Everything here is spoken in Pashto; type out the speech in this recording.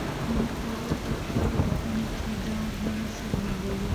لیکوال په خپلو لیکنو کې دا هیله څرګندوي.